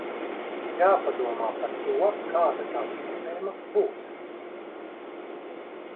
Jādomā par to, kāda tā sistēma būs.